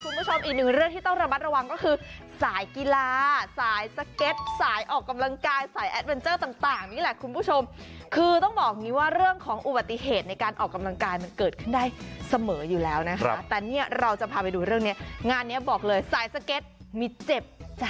คุณผู้ชมอีกหนึ่งเรื่องที่ต้องระมัดระวังก็คือสายกีฬาสายสเก็ตสายออกกำลังกายสายแอดเวนเจอร์ต่างนี่แหละคุณผู้ชมคือต้องบอกอย่างนี้ว่าเรื่องของอุบัติเหตุในการออกกำลังกายมันเกิดขึ้นได้เสมออยู่แล้วนะคะแต่เนี่ยเราจะพาไปดูเรื่องนี้งานเนี้ยบอกเลยสายสเก็ตมีเจ็บจ้ะ